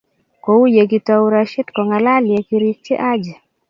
kou ye kitou Rashid kongalal kiyerikchi Haji.